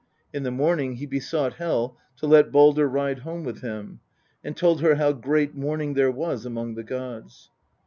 In the morning he besought Hel to let Baldr ride home with him, and told her how great mourning there was among the gods.